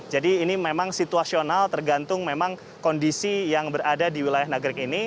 jadi ini memang situasional tergantung memang kondisi yang berada di wilayah cikaledong